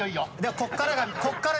ここから。